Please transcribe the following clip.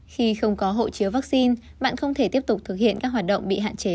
khi không có hộ chiếu vaccine bạn không thể tiếp tục thực hiện các hoạt động bị hạn chế